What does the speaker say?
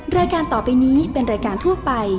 รายการต่อไปนี้เป็นรายการทั่วไป